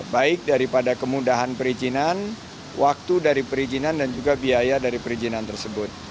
baik daripada kemudahan perizinan waktu dari perizinan dan juga biaya dari perizinan tersebut